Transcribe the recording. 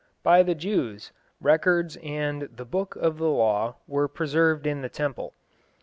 By the Jews, records and "the book of the law" were preserved in the temple.